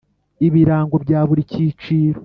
ibirango bya buri cyiciro.